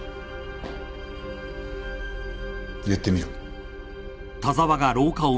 言ってみろ。